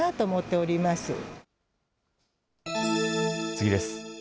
次です。